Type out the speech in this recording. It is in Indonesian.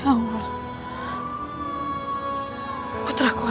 akan menjaga putra kita